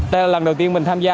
đây là lần đầu tiên mình tham gia